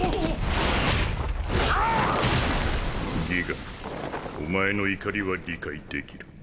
ギガンお前の怒りは理解できる。